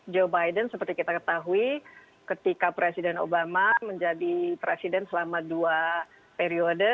joe biden seperti kita ketahui ketika presiden obama menjadi presiden selama dua periode